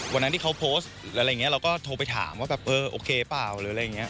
วันนั้นที่เขาโพสต์หรืออะไรอย่างนี้เราก็โทรไปถามว่าแบบเออโอเคเปล่าหรืออะไรอย่างนี้